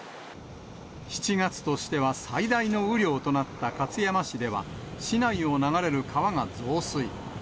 ７月としては最大の雨量となった勝山市では、市内を流れる川が増水。